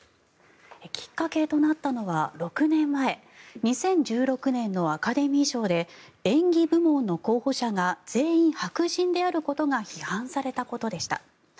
きっかけとなったのは６年前２０１６年のアカデミー賞で演技部門の候補者が全員白人であることが批判されたことでした。